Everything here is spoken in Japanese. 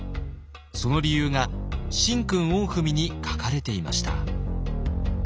その理由が「神君御文」に書かれていました。